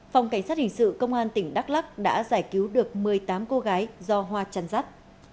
phòng cảnh sát hình sự công an tỉnh đắk lắc đã giải cứu được một mươi tám cô gái do hoa chăn rắt